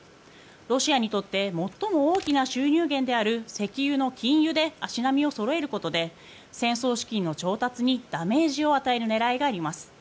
ロシアにとって最も大きな収入源である石油の禁輸で足並みをそろえることで戦争資金の調達にダメージを与える狙いがあります。